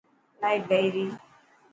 لائٽ گئي ري.